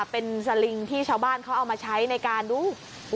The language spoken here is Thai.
เป็นสลิงที่ชาวบ้านเขาเอามาใช้ในการดู